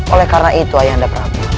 oleh karena itu ayahanda prabu